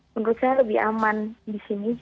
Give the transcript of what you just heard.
menurut saya lebih aman di sini